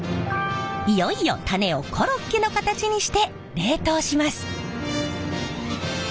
いよいよタネをコロッケの形にして冷凍します。